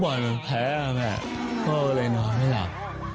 วันแพ้แม่ก็เลยนอนไม่หลับ